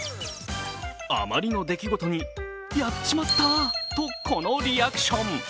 あまりの出来事にやっちまったーとこのリアクション。